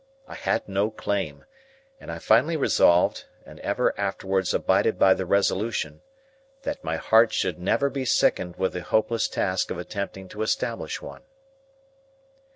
I had no claim, and I finally resolved, and ever afterwards abided by the resolution, that my heart should never be sickened with the hopeless task of attempting to establish one.